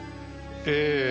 ええ。